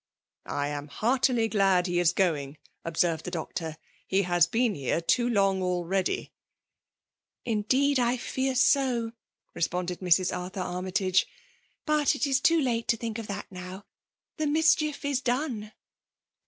<^ I am heartily glad he is going !" ob tfel^cd the doctor. "He has been here too iMg already.^ ^ tndeed I fekr so !'* responded Mrs. Arthur Armytagifr. But it is too late to think of that now. Tlie mischief is done.